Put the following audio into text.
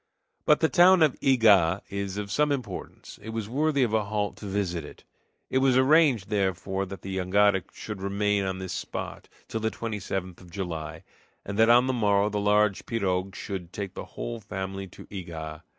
But the town of Ega is of some importance; it was worthy of a halt to visit it. It was arranged, therefore, that the jangada should remain on this spot till the 27th of July, and that on the morrow the large pirogue should take the whole family to Ega.